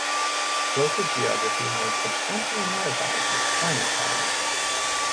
Local geography may substantially modify these climate patterns.